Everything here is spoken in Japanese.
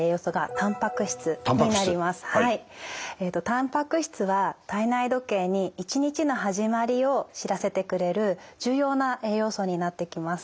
たんぱく質は体内時計に一日の始まりを知らせてくれる重要な栄養素になってきます。